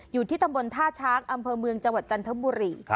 อยู่ที่ตำบลท่าช้างอำเภอเมืองจังหวัดจันทบุรี